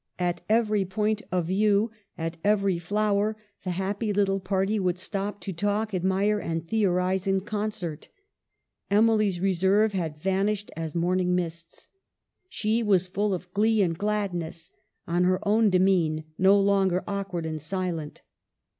At every point of view, at every flower, the happy little party would stop to talk, admire, and theorize in concert. Emily's reserve had vanished as morning mists. She was full of glee and gladness, on her own de mesne, no longer awkward and silent.